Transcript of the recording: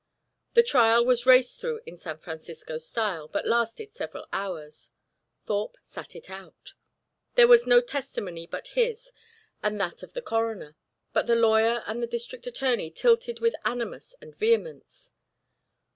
The trial was raced through in San Francisco style, but lasted several hours. Thorpe sat it out. There was no testimony but his and that of the coroner; but the lawyer and the district attorney tilted with animus and vehemence.